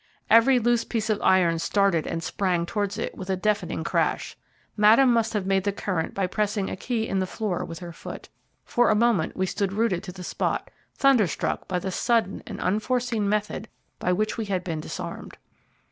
Every loose piece of iron started and sprang towards it with a deafening crash. Madame must have made the current by pressing a key on the floor with her foot. For a moment we stood rooted to the spot, thunder struck by the sudden and unforeseen method by which we had been disarmed.